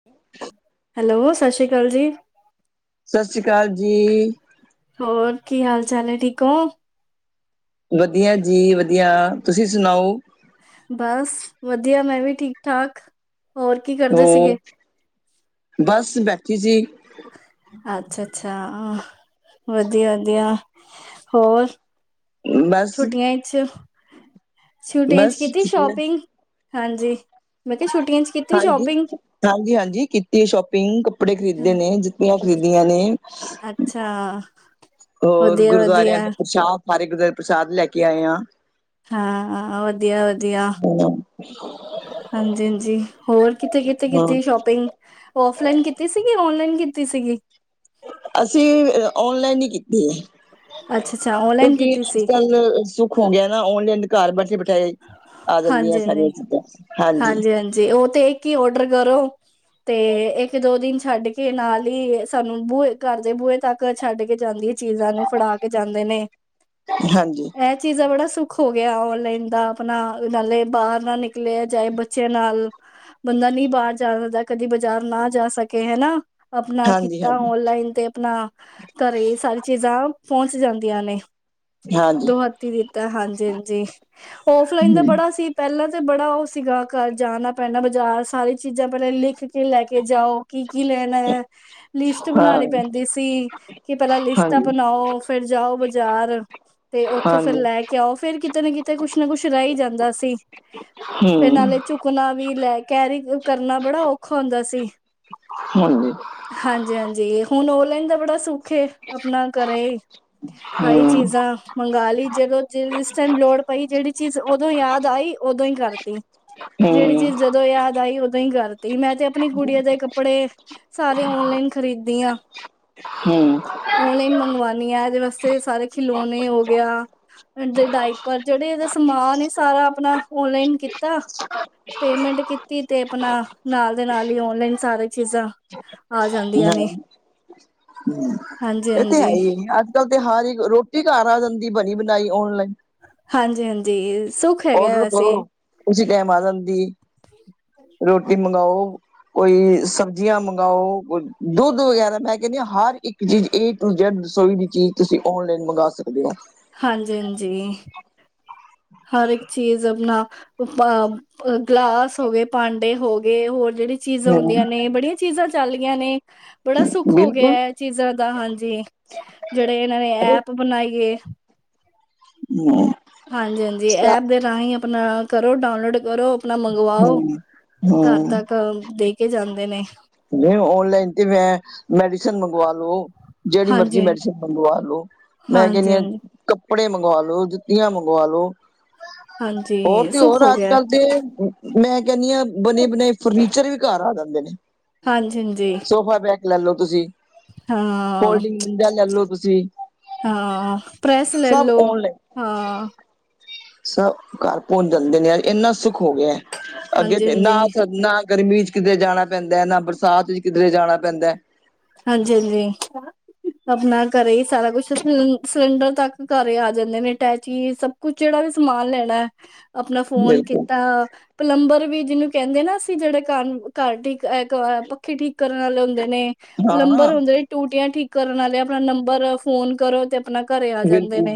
[inaudible] Hello ਸਸ ਸੀਕਾਲ ਜੀ। ਸਸਸੀਕਾਲ ਜੀ। ਹੋਰ ਕੀ ਹਾਲ ਚਾਲ ਏ ਠੀਕ ਔ? ਵਧੀਆ ਜੀ ਵਧੀਆ। ਤੁਸੀਂ ਸਨਾਓ? ਬਸ ਵਧੀਆ ਮੈਂ ਵੀ ਠੀਕ-ਠਾਕ ਹੋਰ ਕੀ ਕਰਦੇ ਸੀਗੇ? ਔ ਬਸ ਬੈਠੀ ਸੀ। ਆਛ-ਅੱਛਛਾ ਆ ਵਧੀਆ-ਵਧੀਆ। ਹੋਰ? ਬਸ ਛੁੱਟੀਆਂ ਇੱਚ ਛੁਟੀਆਂ ਚ ਬਸ ਕੀਤੀ ਸ਼ੋਪਿੰਗ ਹਾਂਜੀ। ਮੈਂ ਕਿਹਾ ਛੁੱਟੀਆਂ ਚ ਕੀਤੀ ਸ਼ੋਪਿੰਗ? ਹਾਂਜੀ-ਹਾਂਜੀ-ਹਾਂਜੀ ਕੀਤੀ ਸ਼ੋਪਿੰਗ ਕੱਪੜੇ ਖਰੀਦੇ ਨੇ ਜ ਤੀਆਂ ਖਰੀਦੀਆਂ ਨੇ। ਅੱਛਾ! ਹੋਰ ਵਧੀਆ ਗੁਰਦੁਆਰਿਆਂ ਵਧੀਆ। ਦੇ ਪ੍ਰਸ਼ਾਦ ਸਾਰੇ ਗੁਰਦੁਆਰੇ ਪ੍ਰਸ਼ਾਦ ਲੈ ਕੇ ਆਏ ਆਂ। ਹਾਂ ਵਧੀਆ-ਵਧੀਆ। ਹ [inaudible] ਹਾਂਜੀ-ਹੰਜੀ ਹੋਰ ਕਿੱਥੇ-ਕਿੱਥੇ ਕੀਤੀ ਸ਼ੋਪਿੰਗ? ਔਫਲਾਈਨ ਕੀਤੀ ਸੀਗੀ ਔਨਲਾਈਨ ਕੀਤੀ ਸੀਗੀ? ਅਸੀ ਅ ਔਨਲਾਈਨ ਈ ਕੀਤੀ ਐ। ਅੱਛਾ ਅੱਛਾ, ਔਨਲਾਈਨ ਕਿਉਂਕਿ ਕੀਤੀ ਸੀ। ਅੱਜ-ਕੱਲ ਸੁੱਖ ਹੋ ਗਿਆ ਨਾ ਔਨਲੈਈਨ ਘਰ ਬੈਠੇ ਬਿਠਾਏ। ਆ ਜਾਂਦੀਆਂ ਹਾਂਜੀ-ਹੰਜੀ, ਸਾਰੀਆਂ ਚੀਜ਼ਾਂ ਹਾਂਜੀ, ਹਾਂਜੀ-ਹਾਂਜੀ ਓ ਤੇ ਏਕ ਈ ਓਡਰ ਕਰੋ। ਤੇ ਏਕ ਦੋ ਦਿਨ ਛੱਡ ਕੇ ਨਾਲ ਈ ਸਾਨੂੰ ਬੂਏ ਘਰ ਦੇ ਬੂਏ ਤੱਕ ਕ ਛੱਡ ਕੇ ਜਾਂਦੀ ਐ ਚੀਜ਼ਾਂ ਨੂੰ ਫੜਾ ਕੇ ਜਾਂਦੇ ਨੇ। ਹਾਂਜੀ! ਐ ਚੀਜ਼ ਦਾ ਬੜਾ ਸੁੱਖ ਹੋ ਗਿਆ ਔਨਲਾਈਨ। ਦਾ ਅਪਨਾ ਨਾਲੇ ਬਾਰ ਨਾ ਨਿਕਲੇਆ ਜਾਏ ਬੱਚਿਆਂ ਨਾਲ ਬੰਦਾ ਨੀ ਬਾਰ ਜਾ ਸਕਦਾ। ਕਦੀ ਬਾਜ਼ਾਰ ਨਾ ਜਾ ਸਕੇ ਹਨਾ। ਅਪਣਾ ਕੀਤਾ ਹਾਂਜੀ, ਓਨਲਾਈਨ ਤੇ ਅਪਣਾ ਘਰੇ ਈ ਸਾਰੀਆ ਚੀਜ਼ਾਂ ਪੌਂਚ ਜਾਂਦੀਆਂ ਨੇ ਹਾਂਜੀ। ਦੋ ਹੱਥ ਤੀ ਦਿਤੈ ਹਾਂਜੀ-ਹਾਂਜੀਔਫਲਾਈਨ ਦਾ ਹਮ। ਬੜਾ ਸੀ। ਪੈਲਾ ਤੇ ਬੜਾ ਓ ਸੀਗਾ ਘਰ ਜਾਣਾ ਪੈਣਾ ਬਾਜ਼ਾਰ ਸਾਰੀ ਚੀਜ਼ਾਂ ਪੈਲੇ ਲਿਖ ਕੇ ਲੈ ਕੇ ਜਾਓ। ਕੀ-ਕੀ ਲੈਣੈ ਲਿਸਟ ਹਾਂ ਬਨਾਣੀ ਪੈਂਦੀ ਸੀ। ਕਿ ਪੈਲਾ ਲਿਸਟਾਂ ਹਾਂਜੀ ਬਣਾਓ ਫੇਰ ਜਾਓ ਬਜ਼ਾਰ ਤੇ ਓਥੋਂ ਫੇਰ ਹਾਂਜੀ ਲੈ ਕੇ ਆਓਫੇਰ ਕਿਤੇ ਨਾ ਕਿਤ ਤੇ ਕੁਛ ਨਾ ਕੁਛ ਰੈ ਈ ਜਾਂਦਾ ਸੀ ਤੇ ਫੇਰ ਹੂੰ ਨਾਲੇ ਚੁ ਕੁਣਾ ਵੀ ਲੈ ਕੈਰੀ ਕ ਕਰਨਾ ਬੜਾ ਔਖਾ ਹੁੰਦਾ ਸੀ। ਹਾਂਜੀ ਹਾਂਜੀ-ਹਾਂਜੀ ਹੁਣ ਔਲਾਈਨ ਦਾ ਬੜਾ ਸੁ ਖੇ ਆਪਣਾ ਘਰੇ ਆਈ ਹੂੰ ਚੀਜ਼ਾਂ ਮੰਗਾ ਲੀ ਜਦੋਂ ਜ ਜਿਸ ਟਾਈਮ ਲੋੜ ਪਈ ਜੇੜੀ ਚੀਜ਼ ਓਦੋ ਯਾਦ ਆਈ ਓਦੋ ਈ ਕਰਤੀ। ਜੇੜੀ ਹੂੰ ਚੀਜ਼ ਜਦੋਂ ਯਾਦ ਆਈ ਓਦੋਂ ਈ ਕਰਤੀ ਮੈਂ ਤੇ ਆਪਣੀ ਗੁੜੀਆਂ ਦੇ ਕੱਪੜੇ ਸਾਰੇ ਔਨਲਾਈਨ ਖਰੀਦ ਦੀ ਆਂ। ਹੂੰ ਓਨਲਾਈਨ ਮੰਗਵਾਣੀ ਆ ਏਦੇ ਵਾਸਤੇ ਸਾਰੇ ਖਿਲੌਣੇ ਹੋ ਗਯਾ ਦੇ ਡਾਇ ਪਰ ਜੇੜੇ ਏਦਾ ਸਮਾਨ ਏ ਸਾਰਾ ਅਪਣਾ ਓਨਲਾਈਨ ਕੀਤਾ। ਪੇਮੈਂਟ ਕੀਤੀ ਤੇ ਅਪਣਾ ਨਾਲ ਦੇ ਨਾਲ ਈ ਔਨਲਾਈਨ ਸਾਰੇ ਚੀਜ਼ਾਂ ਆ ਜਾਂਦੀਆਂ ਨੇ। ਹੂੰ ਹਾਂਜੀ ਏ ਤੇ ਹੈ ਹਾਂਜੀ ਈ ਅੱਜ ਕੱਲ ਤੇ ਹਰ ਈ ਰੋਟੀ ਘਰ ਆ ਜਾਂਦੀ ਬਣੀ ਬਣਾਈ ਔਨਲਾਈਨ ਹਾਂਜੀ-ਹਾਂਜੀ ਔਡਰ ਕਰੋ ਉਸੀ ਟੈਮ ਆ ਜਾਂਦੀ ਰੋਟੀ ਮੰਗਾਓ। ਕੋਈ ਸਬਜ਼ੀਆਂ ਮੰਗਾਓ ਕੋਈ ਦੁੱਧ ਵਗੈਰਾ ਮੈਂ ਕੈਨੀ ਆ ਹਰ ਇੱਕ ਚੀਜ਼ ਏ ਟੂ ਜੈਡ ਰਸੋਈ ਦੀ ਚੀਜ਼ ਤੁਸੀਂ ਔਨਲਾਈਨ ਮੰਗਾ ਸਕਦੇ ਓ। ਹਾਂਜੀ-ਹਾਂਜੀ ਹਰ ਇੱਕ ਚੀਜ਼ ਆਪਣਾ ਪ ਅ ਗਲਾਸ ਹੋਗੇ ਭਾਂਡੇ ਹੋਗੇ ਹੋਰ ਜੇੜੀ ਚੀਜ਼ਾਂ ਹੂੰ ਹੁੰਦੀਆਂ ਨੇ ਬੜੀਆਂ ਚੀਜ਼ਾਂ ਚੱਲ ਗਈਆਂ ਨੇ। ਬੜਾ ਸੁੱਖ ਹੋ ਗਿਆ ਬਿਲਕੁਲ ਐ ਚੀਜ਼ਾਂ ਦਾ ਹਾਂਜੀ ਜੇੜ੍ਹੇ ਇਨਾਂ ਨੇ ਹੂੰ ਐਪ ਬਣਾਈਏ। [inaudible] ਹਾਂਜੀ-ਹਾਂਜੀ ਐਪ ਦੇ ਰਾਹੀਂ ਆਪਣਾ ਕਰੋ ਡਾਊਨਲੋਡ ਕਰੋ ਆਪਣਾ ਮੰਗਵਾਓ। ਘਰ ਹੂੰ ਤੱਕ ਦੇ ਕੇ ਜਾਂਦੇ ਨੇ। ਨਈ ਓਨਲਾਈਨ ਤੇ ਮੈਂ ਮੈਡੀਸਨ ਮੰਗਵਾ ਲੋ ਜੇੜੀ ਹਾਂਜੀ ਹਾਂਜੀ ਮਰਜ਼ੀ ਮੈਡੀਸਨ ਮੰਗਵਾ ਲੋ। ਮੈਂ ਕੈਨੀ ਹਾਂਜੀ ਆ ਕੱਪੜੇ ਮੰਗਵਾ ਲੋ ਜੁੱਤੀਆਂ ਮੰਗਵਾ ਲੋ। ਹੋਰ ਹਾਂਜੀ ਤੇ ਸੁੱਖ ਹੋਰ ਹੋ ਅੱਜ ਗਿਆ ਕੱਲ ਤੇ ਮੈਂ ਕੈਨੀ ਆ ਬਣੇ ਬਣਾਏ ਫਰਨੀਚਰ ਵੀ ਘਰ ਆ ਜਾਂਦੇ ਨੇ। ਹਾਂਜੀ ਹਾਂਜੀ ਸੋਫਾ ਬੈਗ ਲੈ ਲੋ ਤੁਸੀ ਹਾਂ। ਤੁਸੀਂ ਹਾਂ ਪ੍ਰੈਸ ਲੈ ਸਭ ਲੋ ਔਨਲਾਈਨ ਹਾਂ। ਸਭ ਘਰ ਪੋਂਚ ਜਾਂਦੇ ਨੇ ਯਾਰ ਇੰਨਾ ਸੁੱਖ ਹੋ ਗਿਐ। ਅੱਗੇ ਹਾਂਜੀ ਤੇ ਹਾਂਜੀ ਨਾ-ਨਾ ਗਰਮੀ 'ਚ ਕਿਧਰੇ ਜਾਣਾ ਪੈਂਦੈ ਨਾ ਬਰਸਾਤ ਵਿੱਚ ਕਿਧਰੇ ਜਾਣਾ ਪੈਂਦੈ। ਹਾਂਜੀ-ਹਾਂਜੀ ਆਪਣਾ ਘਰੇ ਈ ਸਾਰਾ ਕੁੱਛ ਸ ਸਿਲੰਡਰ ਤੱਕ ਘਰੇ ਆ ਜਾਂਦੇ ਨੇ ਅਟੈਚੀ ਸ ਕੁੱਛ ਜੇੜਾ ਵੀ ਸਮਾਨ ਲੈਣਾ ਆਪਣਾ ਫੋਨ ਬਿਲਕੁਲ ਕੀਤਾ ਪਲੰਬਰ ਵੀ ਜਿਨੂੰ ਕੈਂਦੇ ਨਾ ਅਸੀਂ ਜੇੜੇ ਘਰ-ਘਰ ਠੀਕ ਪੱਖੇ ਠੀਕ ਕਰਨ ਆਲੇ ਹੁੰਦੇ ਨੇ। ਹਾਂ ਪਲੰਬਰ ਹੁੰਦੇ ਨੇ ਟੂਟੀਆਂ ਠੀਕ ਕਰਨ ਆਲੇ ਆਪਣਾ ਨੰਬਰ ਫੋਨ ਕਰੋ ਤੇ ਆਪਣਾ ਘਰੇ ਆ ਜਾਂਦੇ ਨੇ।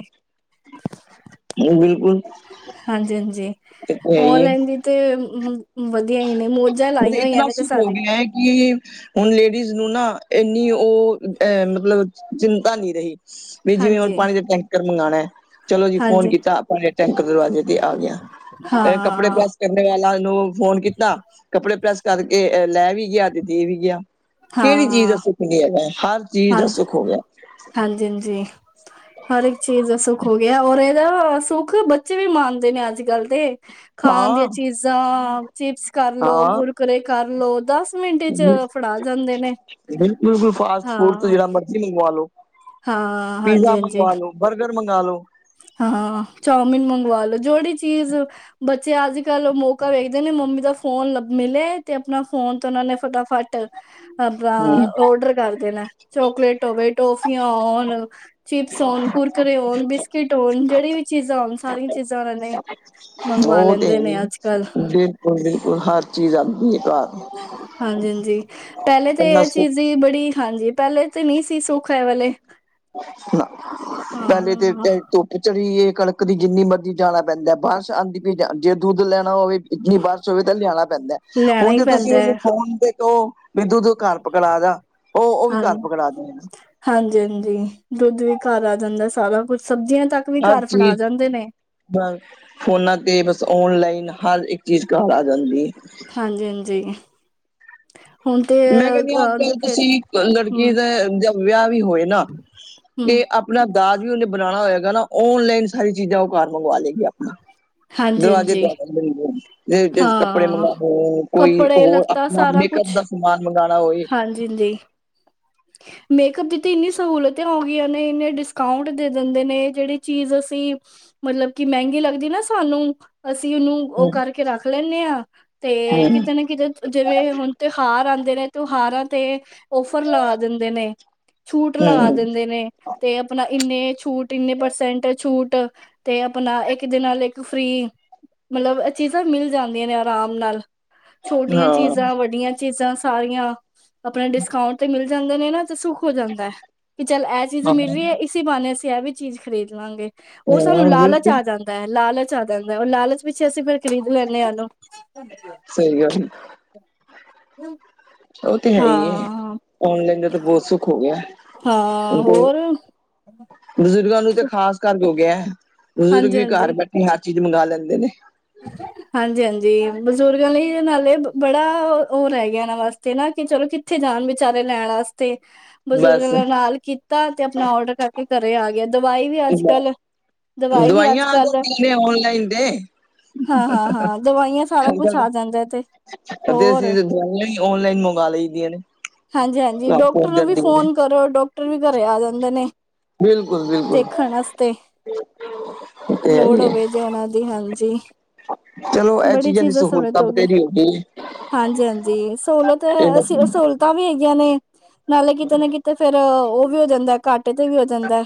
ਬਿਲਕੁੱਲ। ਹਾਂਜੀ-ਹਾਂਜੀ ਹੀ ਓਨਲਾਈਨ ਦੀ ਤੇ ਵਧੀਆ ਈ ਨੇ ਮੌਜਾਂ ਲਾਈਆਂ ਹੋਈਆਂ ਨੇ ਤੇ ਸਾਰੇ ਐ ਕੀ ਹੁਣ ਲੇਡੀਜ਼ ਨੂੰ ਨਾ ਐਨੀ ਓ ਅ ਮਤਲਬ ਚਿੰਤਾ ਨੀ ਰਹੀ। ਵੀ ਜਿਵੇਂ ਹੁਣ ਹਾਂਜੀ ਪਾਣੀ ਦਾ ਟੈਂਕਰ ਮੰਗਾਣਾ। ਚਲੋ ਜੀ ਫੋਨ ਹਾਂਜੀ ਕੀਤਾ ਆਪਾਂ ਨੇ ਟੈਂਕ ਦਰਵਾਜ਼ੇ ਤੇ ਆ ਗਿਆ। ਹਾਂ। ਕਪੜੇ ਵਾਲਾ ਨੂੰ ਫੋਨ ਕੀਤਾ ਕੱਪੜੇ ਪ੍ਰੈਸ ਕਰਕੇ ਲੈ ਵੀ ਗਿਆ ਤੇ ਦੇ ਵੀ ਗਿਆ। ਕੇੜੀ ਚੀਜ਼ ਦਾ ਹਾਂ ਸੁੱਖ ਨੀ ਹੈਗਾ ਐ ਹਰ ਚੀਜ਼ ਦਾ ਸੁੱਖ ਹੋ ਗਿਆ। ਹਾਂਜੀ-ਹਾਂਜੀ ਹਰ ਇੱਕ ਚੀਜ਼ ਦਾ ਸੁੱਖ ਹੋ ਗਿਆ ਔਰ ਏਦਾ ਸੁੱਖ ਬੱਚੇ ਵੀ ਮਾਣਦੇ ਨੇ ਅੱਜ ਕੱਲ੍ਹ ਦੇ। ਖਾਣ ਦੀਆਂ ਹਾਂ ਚੀਜ਼ਾਂ ਚਿਪਸ ਕਰਲੋ ਹਾਂ ਕੁਰਕੁੁਰੇ ਕਰ ਲੋ ਦਸ ਮਿੰਟੇ ਚ ਫੜਾ ਜਾਂਦੇ ਨੇ ਬਿਲਕੁੱਲ-ਬਿਲਕੁੱਲ ਫਾਸਟ ਫੂਡ ਤੋ ਹਾਂ ਜੇੜਾ ਮਰਜੀ ਮੰਗਵਾ ਲੋ। ਹਾਂ ਹਾਂਜੀ ਪੀਜ਼ਾ ਹਾਂਜੀ ਮੰਗਾ ਲੋ ਬਰਗਰ ਮੰਗਾ ਲੋ। ਹਾਂ ਚੋਮਿੰਨ ਮੰਗਵਾ ਲੋ ਜੇੜੀ ਚੀਜ਼ ਬੱਚੇ ਅੱਜ ਕੱਲ੍ਹ ਮੌਕਾ ਵੇਖਦੇ ਨੇ ਮੰਮੀ ਦਾ ਫੋਨ ਮਿਲੇ ਤੇ ਆਪਣਾ ਫੋਨ ਤੇ ਓਨਾਂ ਨੇ ਫਟਾਫਟ ਆਪਾਂ ਹਮ ਔਡਰ ਕਰਦੇ ਨਾ ਚੋਕਲੇਟ ਹੋਵੇ ਟੋਫੀਆਂ ਹੋਣ ਚਿਪਸ ਹੋਣ ਕੁਰਕਰੇ ਹੋਣ ਬਿਸਕਿਟ ਹੋਣ ਜੇੜੀ ਵੀ ਚੀਜ਼ਾਂ ਹੋਣ ਸਾਰੀਆਂ ਚੀਜ਼ਾਂ ਨੇ ਮੰਗਵਾ ਓ ਤੇ ਹੈ ਲੈਂਦੇ ਈ। ਨੇ ਅੱਜ ਕੱਲ ਬਿਲਕੁਲ, ਬਿਲਕੁਲ ਹਰ ਚੀਜ਼ ਆਂਦੀ ਏ ਘਰ। ਹਾਂਜੀ, ਹਾਂਜੀ ਪਹਿਲੇ ਤਾਂ ਇਨਾ ਇਹ ਚੀਜ਼ ਸੁੱਖ ਦੀ ਬੜੀ ਹਾਂਜੀ ਪਹਿਲੇ ਤੇ ਨਹੀਂ ਸੀ ਸੁੱਖ ਐ ਵਾਲੇ। ਨਾ, ਪਹਿਲੇ 'ਤੇ ਇ ਹਾਂ ਤੇ ਚੜੀ ਇਹ ਕਣਕ ਦੀ ਜਿੰਨੀ ਮਰਜ਼ੀ ਜਾਣਾ ਪੈਂਦਾ ਬਾਰਿਸ਼ ਆਂਦੀ ਪਈ ਜੇ ਦੁੱਧ ਲੈਣਾ ਹੋਵੇ, ਇੰਤਨੀ ਬਾਰਿਸ਼ ਹੋਵੇ ਤਾਂ ਲਿਆਣਾ ਪੈਂਦਾ, ਲੈਣਾ 'ਹੁਣ ਹੀ ਜੇ ਤੁਸੀਂ ਪੈਂਦਾ ਉਹਨੂੰ ਹੈ ਫੋਨ ਤੇ ਉਹ ਦੁੱਧ ਘਰ ਪਕੜਾ ਜਾ, ਓ ਉਹ ਵੀ ਹਾਂ ਘਰ ਪਕੜਾ ਜਾਂਦਾ। ਹਾਂਜੀ, ਹਾਂਜੀ ਦੁੱਧ ਵੀ ਘਰ ਆ ਜਾਂਦਾ ਸਾਰਾ ਕੁਛ ਸਬਜ਼ੀਆਂ 'ਤੱਕ ਵੀ ਹਰ ਘਰ ਚੀਜ਼, ਫੜਾ ਜਾਂਦੇ ਨੇ ਫੋਨਾਂ ਤੇ ਬਸ ਓਨਲਾਈਨ, ਹਰ ਇੱਕ ਚੀਜ਼ ਘਰ ਆ ਜਾਂਦੀ। ਹਾਂਜੀ, ਹਾਂਜੀ। ਹੁਣ ਤੇ ਮੈਂ ਕਹਿੰਦੀ ਹਾਂ ਅੱਜ ਕੱਲ ਅ ਫਿਰ ਤੁਸੀਂ ਲੜਕੀ ਹਮ ਦਾ, ਵਿਆਹ ਵੀ ਹੋਏ ਨਾ ਤੇ ਹਮ ਆਪਾ ਆਪਣਾ ਦਾਜ ਵੀ ਉਹਨੇ ਬਣਾਉਣਾ ਹੋਇਆ ਗਾ ਨਾ, ਔਨਲਾਈਨ ਸਾਰੀ ਚੀਜ਼ਾਂ ਉਹ ਘਰ ਮੰਗਵਾ ਲਏਗੀ ਆਪਣਾ। ਹਾਂਜੀ ਦਰਵਾਜੇ ਹਾਂਜੀ ਕੱਪੜੇ ਹਾਂ ਮੰਗਵਾਉਣੇ, ਕੋਈ ਕੱਪੜੇ ਹੋਰ ਲੱਤਾ ਆਪਣਾ ਸਾਰਾ ਮੇਕਅਪ ਕੁਛ ਦਾ, ਸਮਾਨ ਮੰਗਵਾਨਾ ਹੋਵੇ ਹਾਂਜੀ, ਹਾਂਜੀ। ਮੇਕਅਪ ਦੀ ਤਾਂ ਇੰਨੀ ਸਹੂਲਤਾਂ ਹੋ ਗਈ ਆਂ ਨੇ ਇੰਨੇ ਡਿਸਕਾਊਂਟ ਦੇ ਦਿੰਦੇ ਨੇ ਜਿਹੜੀ ਚੀਜ਼ ਅਸੀਂ ਮਤਲਬ ਕਿ ਮਹਿੰਗੀ ਲੱਗਦੀ ਨਾ ਸਾਨੂੰ, ਅਸੀਂ ਉਹਨੂੰ ਉਹ ਹਮ ਕਰਕੇ ਰੱਖ ਲੈਂਦੇ ਆ, ਤੇ ਹਮ ਕਿਤੇ ਨਾ ਕਿਤੇ ਜਿਵੇਂ ਹੁਣ ਤਿਉਹਾਰ ਆਉਂਦੇ ਨੇ, ਤਿਉਹਾਰਾਂ ਤੇ ਓਫਰ ਦਿੰਦੇ ਨੇ ਛੂਟ ਲਗਾ ਹਮ ਦਿੰਦੇ ਨੇ। ਤੇ ਆਪਣਾ ਇੰਨੇ ਛੂਟ, ਇੰਨੇ ਪਰਸੈਂਟ ਛੂਟ। ਤੇ ਆਪਣਾ ਇੱਕ ਦੇ ਨਾਲ ਇੱਕ ਫ੍ਰਰੀ, ਮਤਲਬ ਇਹ ਚੀਜ਼ਾਂ ਮਿਲ ਜਾਂਦੀਆਂ ਨੇ ਆਰਾਮ ਨਾਲ। ਛੋਟੀਆਂ ਹਾਂ ਚੀਜ਼ਾਂ, ਵੱਡੀਆਂ ਚੀਜ਼ਾਂ ਸਾਰੀਆਂ ਆਪਣਾ ਡਿਸਕਾਊਂਟ ਤੇ ਮਿਲ ਜਾਂਦੇ ਨੇ ਨਾ ਤੇ ਸੁੱਖ ਹੋ ਜਾਂਦਾ ਹੈ ਕਿ ਚੱਲ ਇਹ ਚੀਜ਼ ਮਿਲ ਰਹੀ ਹੈ। ਇਸ ਇਸੀ ਬਹਾਨੇ ਅਸੀਂ ਐ ਵੀ ਚੀਜ਼ ਖਰੀਦ ਲਾਂਗੇ, ਉਹ ਸਾਨੂੰ ਹਾਂ ਲਾਲਚ ਬਿਲਕੁਲ ਆ ਜਾਂਦਾ। ਲਾਲਚ ਆ ਜਾਂਦਾ, ਉਹ ਲਾਲਚ ਪਿੱਛੇ ਅਸੀਂ ਫਿਰ ਖਰੀਦ ਲੈਂਨੇ ਆ ਉਨੂੰ। ਸਹੀ ਗੱਲ ਏ। ਉਹ ਤੇ ਹੈ ਹੀ ਹੈ, ਹਾਂ, ਔਨਲਾਈਨ ਦਾ ਤਾਂ ਬਹੁਤ ਸੁੱਖ ਹੋ ਗਿਆ। ਹਾਂ, ਹੋਰ! ਬਜ਼ੁਰਗਾਂ ਨੂੰ ਤੇ ਖ਼ਾਸ ਕਰ ਹੋ ਗਿਆ ਏ, ਬਜ਼ੁਰਗ ਹਾਂਜੀ, ਵੀ ਘਰ ਬੈਠੇ ਹਰ ਚੀਜ਼ ਮੰਗਾ ਲੈਂਦੇ ਨੇ। ਅੱਛਾ ਜੀ! ਹਾਂਜੀ, ਹਾਂਜੀ ਬਜ਼ੁਰਗਾਂ ਲਈ ਨਾਲੇ ਬੜਾ ਉਹ ਰਹਿ ਗਿਆ ਇਹਨਾਂ ਵਾਸਤੇ ਨਾ ਕਿ 'ਚਲੋ ਜੀ ਕਿੱਥੇ ਜਾਣ ਵਿਚਾਰੇ ਲੈਣ ਆਸਤੇ। ਬਸ ਬਜ਼ੁਰਗਾਂ ਨੇ ਨਾਲ ਕੀਤਾ ਤੇ ਆਪਣਾ ਔਡਰ ਕਰਕੇ ਘਰੇ ਆ ਗਿਆ। ਦਵਾਈ ਵੀ ਅੱਜ ਕੱਲ, ਦਵਾਈ ਵੀ ਅੱਜ ਦਵਾਈਆਂ ਆ ਕੱਲ, ਜਾਂਦੀਆਂ ਔਨਲਾਈਨ ਦੇ ਹਾਂ-ਹਾਂ-ਹਾਂ ਦਵਾਈਆਂ ਸਾਰਾ ਕੁਛ ਆ ਜਾਂਦਾ ਤੇ ਭੀ ਹੋਰ ਅਸੀ ਦਵਾਈਆ ਹੀ ਔਨਲਾਈਨ ਮੰਗਵਾ ਲਈ ਦੀਆਂ ਨੇ। ਹਾਂਜੀ, ਹਾਂਜੀ ਘਰ ਡਾਕਟਰ ਪਹੁੰਚ ਨੂੰ ਵੀ ਜਾਂਦੀਆਂ ਨੇ। ਫੋਨ ਕਰੋ। ਡਾਕਟਰ ਵੀ ਘਰੇ ਆ ਜਾਂਦੇ ਨੇ। ਬਿਲਕੁਲ, ਬਿਲਕੁਲ। ਦੇਖਣ ਆਸਤੇ। ਉਹ ਤੇ ਹੈ ਲੋੜ ਹੀ ਹੋਵੇ ਹੈ ਜੇ ਉਹਨਾਂ ਦੀ, ਹਾਂਜੀ। 'ਚਲੋ ਇਹ ਚੀਜ਼ਾਂ ਦੀ ਸਹੂਲਤਾਂ ਬਥੇਰੀ ਹੋ ਗਈ ਏ ਹਾਂਜੀ, ਹਾਂਜੀ ਸਹੂਲਤ ਤੇ ਹੈ ਅਸੀ ਸਹੂਲਤ ਤਾਂ ਵੀ ਹੈਗੀਆਂ ਨੇ, ਨਾਲੇ ਕਿਤੇ ਨਾ ਕਿਤੇ ਫੇਰ ਉਹ ਵੀ ਹੋ ਜਾਂਦਾ ਘਾਟੇ ਤੇ ਵੀ ਹੋ ਜਾਂਦਾ।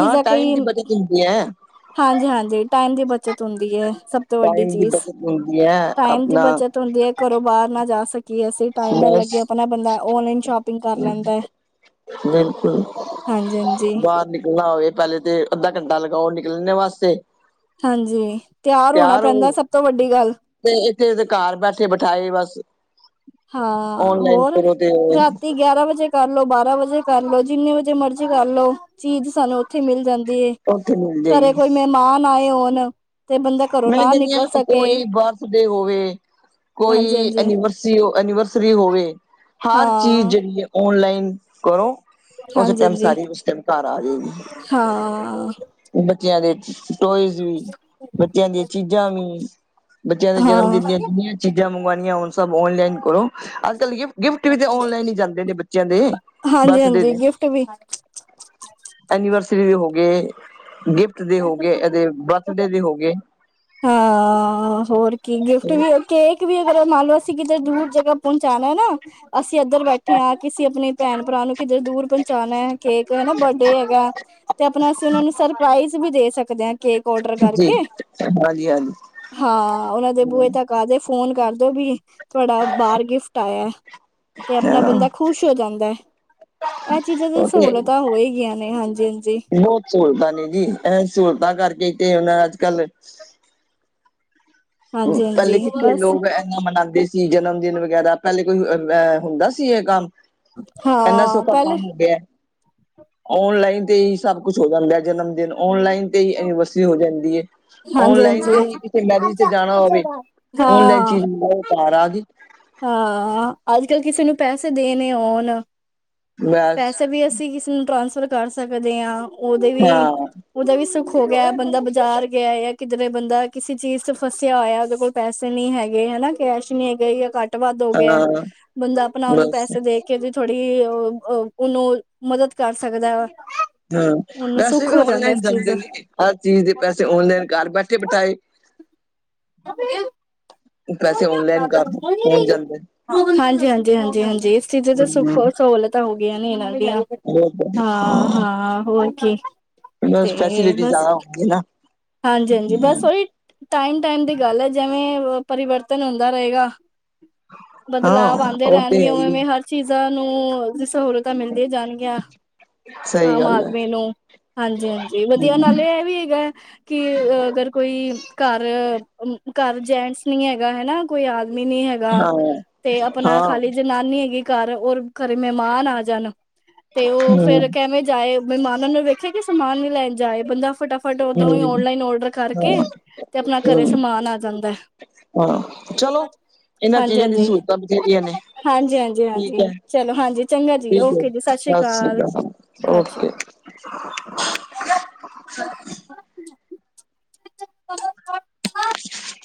ਹਾਂ ਟਾਈਮ ਦੀ ਬੱਚਤ ਹੁੰਦੀ ਹੈ। ਹਾਂਜੀ, ਹਾਂਜੀ ਟਾਈਮ ਦੀ ਬੱਚਤ। ਹੁੰਦੀ ਹੈ, ਸਭ ਤੋਂ ਵੱਡੀ ਟਾਈਮ ਦੀ ਚੀਜ਼, ਬਚਤ ਹੁੰਦੀ ਹੈ ਟਾਈਮ ਦੀ ਆਪਣਾ ਬੱਚਤ ਹੁੰਦੀ ਹੈ, ਘਰੋਂ ਬਾਹਰ ਨਾ ਜਾ ਸਕੀਏ ਅਸੀਂ, ਟਾਈਮ ਨਾ ਬਸ ਲੱਗੇ ਆਪਣਾ ਬੰਦਾ ਓਨਲਾਈਨ ਸ਼ੋਪਿੰਗ ਕਰ ਲੈਂਦਾ ਹੈ। ਬਿਲਕੁਲ ਹਾਂਜੀ-ਹਾਂਜੀ, ਬਾਹਰ ਨਿਕਲਣਾ ਹੋਵੇ, ਪਹਿਲੇ ਤੇ ਅੱਧਾ ਘੰਟਾ ਲਗਾਓ ਨਿਕਲਨੇ ਵਾਸਤੇ ਹਾਂਜੀ ਤਿਆਰ ਹੋਣਾ ਪੈਂਦਾ ਸਭ ਤੋਂ ਵੱਡੀ ਗੱਲ ਤੇ ਇੱਥੇ ਦੇ ਘਰ ਬੈਠੇ ਬਿਠਾਏ ਬਸ ਹਾਂ ਔਨਲਾਈਨ ਹੋਰ ਕਰੋ ਤੇ ਰਾਤੀ ਗਿਆਰਾਂ ਵਜੇ ਕਰ ਲੋ, ਬਾਰਾਂ ਵਜੇ ਕਰ ਲਓ ਜਿੰਨੇ ਵਜੇ ਮਰਜ਼ੀ ਕਰ ਲੋ ਚੀਜ਼ ਸਾਨੂੰ ਉੱਥੇ ਮਿਲ ਜਾਂਦੀ ਏ, ਉੱਥੇ ਮਿਲ ਘਰੇ ਜਾਏਗੀ। ਕੋਈ ਮਹਿਮਾਨ ਆਏ ਹੋਣ ਤੇ ਬੰਦਾ ਘਰੋਂ ਮੈਂ ਨਾ ਕਹਿੰਦੀ ਨਿਕਲ ਹ ਸਕੇ ਕੋਈ ਬਰਥਡੇ ਹੋਵੇ, ਹਾਂਜੀ ਕੋਈ ਹਾਂਜੀ ਐਨੀਵਰਸਰੀ ਐਨੀਵਰਸਰੀ ਹੋਵੇ, ਹਰ ਚੀਜ਼ ਹਾਂ ਜਿਹੜੀ ਹੈ ਔਨਲਾਈਨ ਕਰੋ ਉਸ ਹਾਂਜੀ ਟਾਈਮ ਹਾਂਜੀ ਸਾਰੀ ਉਸ ਟਾਈਮ ਘਰ ਆ ਜਾਏਗੀ ਹਾਂ ਔ ਬੱਚਿਆਂ ਦੇ ਟੋਏਜ਼ ਵੀ ਬੱਚਿਆਂ ਦੀਆਂ ਚੀਜ਼ਾਂ ਵੀ, ਬੱਚਿਆਂ ਦੇ ਜਨਮ ਹਾਂ ਦਿਨ ਦੀਆਂ ਦੁਨੀਆਂ ਚੀਜ਼ਾਂ ਮੰਗਉਣੀਆਂ ਹੋਣ, ਉਹੁ ਸਬ ਔਨਲਾਈਨ ਕਰੋ ਅੱਜ ਕਲ ਗਿਫਟ ਗਿਫਟ ਵੀ ਤੇ ਔਨਲਾਈਨ ਹੀ ਜਾਂਦੇ ਨੇ ਬੱਚਿਆਂ ਦੇ ਹਾਂਜੀ ਬਰ੍ਥਡੇ ਹਾਂਜੀ ਤੇ ਗਿਫਟ ਵੀ ਐਨੀਵਰਸਰੀ ਦੇ ਹੋ ਗਏ ਗਿਫਟ ਦੇ ਹੋ ਗਏ, ਐ ਦੇ ਬਰਥਡੇ ਦੇ ਹੋ ਗਏ ਗੇ ਹਾਂ ਹੋਰ ਕੀ ਗਿਫਟ ਵੀ ਕੇਕ ਵੀ ਅਗਰ ਮੰਨ ਲਓ ਅਸੀਂ ਕਿਤੇ ਦੂਰ ਜਗ੍ਹਾ ਪਹੁੰਚਾਉਣਾ ਨਾ ਅਸੀਂ ਇੱਧਰ ਬੈਠੇ ਹਾਂ ਕਿਸੇ ਆਪਣੇ ਭੈਣ ਭਰਾ ਨੂੰ ਕਿਧਰ ਦੂਰ ਪਹੁੰਚਾਉਣਾ ਹੈ ਕੇਕ ਹਨਾ ਬਰਡੇ ਹੈਗਾ ਤੇ ਆਪਣਾ ਅਸੀਂ ਉਹਨਾ ਨੂੰ ਸਰਪ੍ਰਾਈਜ਼ ਵੀ ਦੇ ਸਕਦੇ ਹਾਂ ਕੇਕ ਔਡਰ ਜੀ ਕਰਕੇ ਹਾਂਜੀ ਹਾਂਜੀ ਹਾਂ ਉਹਨਾਂ ਦੇ ਬੂਹੇ ਤਕ ਆ ਕੇ ਫੋਨ ਕਰਦੋ ਵੀ ਤੁਹਾਡਾ ਬਾਹਰ ਗਿਫਟ ਆਇਆ ਏ ਤੇ ਆਪਣਾ ਹਾਂ ਬੰਦਾ ਖੁਸ਼ ਹੋ ਜਾਂਦਾ ਹੈ ਇਹ ਚੀਜ਼ਾਂ ਦੀ ਉਹ ਤੇ ਸਹੂਲਤਾਂ ਹੋ ਹੀ ਗਈਆਂ ਨੇ ਹਾਂਜੀ ਹਾਂਜੀ ਬਹੁਤ ਸਹੂਲਤਾਂ ਨੇ ਜੀ ਅ ਸਹੂਲਤਾਂ ਕਰਕੇ ਤੇ ਉਨਾਂ ਅੱਜ ਕੱਲ ਹਾਂਜੀ ਪਹਲੇ ਹਾਂਜੀ ਕਿੱਥੇ ਬਸ ਲੋਕ ਇਨਾ ਮਨਾਉਂਦੇ ਸੀ ਸੀ ਜਨਮ ਦਿਨ ਵਗੈਰਾ ਪਹਿਲੇ ਕੋਈ ਅਹ ਹੁੰਦਾ ਸੀ ਇਹ ਕੰਮ ਇਨਾ ਹਾਂ ਸੌਖਾ ਪਹਿਲੇ ਕੰਮ ਹੋ ਗਿਆ ਔਨਲਾਈਨ ਤੇ ਹੀ ਸਭ ਕੁਛ ਹੋ ਜਾਂਦਾ ਜਨਮ ਦਿਨ ਆਨਲਾਈਨ ਤੇ ਹੀ ਐਨੀਵਰਸਰੀ ਹੋ ਜਾਂਦੀ ਹੈ ਹਾਂਜੀ ਓਨਲਾਈਨ ਹਾਂਜੀ ਤੇ ਹੀ ਕਿਸੇ ਮੈਰਿਜ ਤੇ ਜਾਣਾ ਹੋਵੇ ਔਨਲਾਈਨ ਹਾਂ ਚੀਜ਼ ਉਹ ਘਰ ਆ ਗਈ ਹਾਂ ਅੱਜ ਕੱਲ੍ਹ ਕਿਸੇ ਨੂੰ ਪੈਸੇ ਦੇਣੇ ਹੋਣ ਬਸ ਪੈਸੇ ਵੀ ਅਸੀਂ ਕਿਸੇ ਨੂੰ ਟ੍ਰਾਂਸਫਰ ਕਰ ਸਕਦੇ ਹਾਂ ਉਹਦੇ ਵੀ ਹਾਂ ਉਹਦਾ ਵੀ ਸੁੱਖ ਹੋ ਗਿਆ ਬੰਦਾ ਬਾਜ਼ਾਰ ਗਿਆ ਜਾਂ ਕਿਧਰੇ ਬੰਦਾ ਕਿਸੇ ਚੀਜ਼ ਚ ਫਸਿਆ ਹੋਇਆ ਉਹਦੇ ਕੋਲ ਪੈਸੇ ਨਹੀਂ ਹੈਗੇ ਹਨਾ ਕੈਸ਼ ਨਹੀ ਹੈਗੇ ਜਾਂ ਘੱਟ ਵੱਧ ਹੋ ਗਿਆ ਹਾਂ ਬੰਦਾ ਆਪਣਾ ਆਪਨਾਂ ਉਨੂੰ ਬਸ ਪੈਸੇ ਦੇ ਕੇ ਉਹਦੀ ਥੋੜ੍ਹੀ ਉਹ ਅ ਉਹਨੂੰ ਮਦਦ ਕਰ ਸਕਦਾ ਵ ਹਾਂ ਪੈਸੇ ਵੀ ਔਨਲਾਈਨ ਜਾਂਦੇ ਨੇ ਹਰ ਚੀਜ਼ ਦੇ ਪੈਸੇ ਔਨਲਾਈਨ ਘਰ ਬੈਠੇ ਬਿਠਾਏ ਅ ਪੈਸੇ ਔਨਲਾਈਨ ਕਰ ਦੋ ਪਹੁੰਚ ਜਾਂਦੇ ਨੇ ਹਾਂਜੀ ਹਾਂਜੀ ਹਾਂਜੀ ਹਾਂਜੀ ਇਸ ਚੀਜ਼ ਦੀ ਤੇ ਸੁੱਖ ਹੂੰ ਔਰ ਸਹੂਲਤ ਤਾਂ ਹੋਗਈਆਂ ਨੇ ਇਹਨਾਂ ਦੀਆਂ ਬਹੁਤ ਹਾਂ ਹਾਂ ਹੋਰ ਕੀ ਤੇ ਬਸ ਫੈਸਿਲਿਟੀ ਬਸ ਜ਼ਿਆਦਾ ਹੁੰਦੀ ਨਾ ਹਾਂਜੀ ਹਾਂਜੀ ਬਸ ਉਹੀ ਟਾਇਮ ਟਾਇਮ ਦੀ ਗੱਲ ਹੈ ਜਿਵੇਂ ਪਰਿਵਰਤਨ ਹੁੰਦਾ ਰਹੇਗਾ ਬਦਲਾਵ ਹਾਂ ਆਉਂਦੇ ਉਹ ਤੇ ਰਹਿਣਗੇ ਹੈ ਉਵੇ ਹੀ ਉਵੇਂ ਹਰ ਚੀਜ਼ਾਂ ਨੂੰ ਜ ਸਹੂਲਤ ਤਾਂ ਮਿਲਦੀਆਂ ਜਾਣਗੀਆਂ ਸਹੀ ਆਮ ਗੱਲ ਹੈ ਆਦਮੀ ਨੂੰ ਹਾਂਜੀ ਹਾਂਜੀ ਵਧੀਆ ਹੂੰ, ਨਾਲੇ ਇਹ ਵੀ ਹੈਗਾ ਕਿ ਅਗਰ ਕੋਈ ਘਰ ਘਰ ਜੈਂਟਸ ਨਹੀਂ ਹੈਗਾ ਹੈਨਾ ਕੋਈ ਆਦਮੀ ਨੀ ਹੈਗਾ ਹਾਂ ਗਾ ਤੇ ਆਪਣਾ ਹਾਂ ਖਾਲੀ ਜਨਾਨੀ ਹੈਗੀ ਘਰ ਔਰ ਘਰੇ ਮਹਿਮਾਨ ਆ ਜਾਣ ਤੇ ਉਹ ਹੂੰ ਫੇਰ ਕਿਵੇਂ ਜਾਏ ਮਹਿਮਾਨਾਂ ਨੂੰ ਵੇਖਿਆ ਕਿ ਸਮਾਨ ਨੀ ਲੈਣ ਜਾਏ ਬੰਦਾ ਫਟਾਫਟ ਉਦੋਂ ਹੀ ਹੂੰ ਓਨਲਾਈਨ ਔਡਰ ਹਾਂ ਕਰਕੇ ਤੇ ਆਪਣਾ ਘਰੇ ਹੂੰ ਸਮਾਨ ਆ ਜਾਂਦਾ। ਹਾਂ ਚਲੋ ਇਹਨਾਂ ਹਾਂਜੀ ਚੀਜ਼ਾਂ ਦੀ ਹਾਂਜੀ ਸਹੂਲਤਾਂ ਬਥੇਰੀਆਂ ਨੇ। ਹਾਂਜੀ ਹਾਂਜੀ ਠੀਕ ਹੈ ਹਾਂਜੀ ਚਲੋ ਹਾਂਜੀ ਚੰਗਾ ਜੀ ਠੀਕ ਹੈ ਓਕੇ ਜੀ ਸਤਿ ਸ਼੍ਰੀ ਅਕਾਲ ਅਕਾਲ, ਸਤਿ ਓਕੇ। [unintelligible] [unintelligible] [unintelligible]